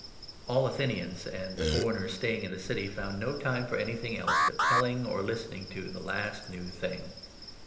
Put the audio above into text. (All Athenians and the foreigners staying in the city found no 21 time for anything else but telling, or listening to, the last new thing.)